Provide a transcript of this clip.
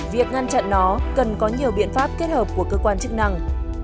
việc ngăn chặn nó cần có nhiều biện pháp kết hợp của cơ quan chức năng